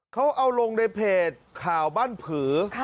เขาเอาลงในเพจข่าวบ้านผือ